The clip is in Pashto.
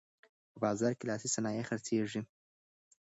په بازار کې لاسي صنایع خرڅیږي.